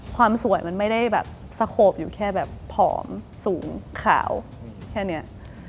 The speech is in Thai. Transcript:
ความสวยมันไม่ได้แบบสโขบอยู่แค่แบบผอมสูงขาวแค่นี้